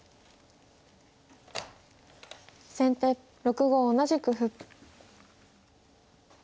先手６五同じく歩。